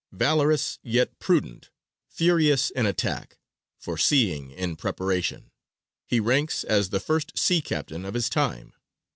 "Valorous yet prudent, furious in attack, foreseeing in preparation," he ranks as the first sea captain of his time.